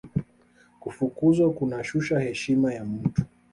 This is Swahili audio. kufukuzwa kunashusha heshima ya mtu